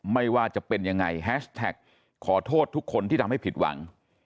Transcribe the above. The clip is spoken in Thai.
ไม่ว่าจะเป็นยังไงแฮชแท็กขอโทษทุกคนที่ทำให้ผิดหวัง